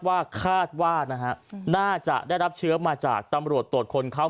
ว่าคาดว่านะฮะน่าจะได้รับเชื้อมาจากตำรวจตรวจคนเข้า